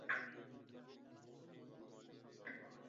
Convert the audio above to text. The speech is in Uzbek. To’pponchasi bormi uning cho’ntagida?